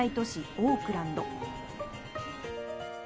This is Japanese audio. オークランド。